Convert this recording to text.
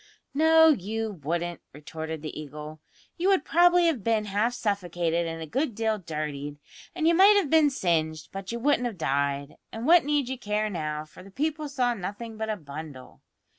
"No, you wouldn't," retorted the Eagle. "You would probably have been half suffocated and a good deal dirtied, and you might have been singed, but you wouldn't have died; and what need you care now, for the people saw nothing but a bundle.